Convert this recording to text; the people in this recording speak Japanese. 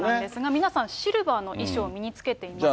皆さん、シルバーの衣装を身に着けていますね。